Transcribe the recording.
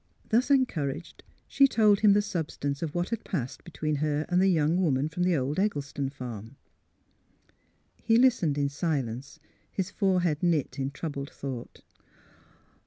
Thus encouraged, she told him the substance of what had passed between her and the young woman from the old Eggleston farm. He listened in silence, his forehead knit in troubled thought.